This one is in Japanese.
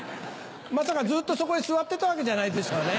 まさかずっとそこへ座ってたわけじゃないでしょうね。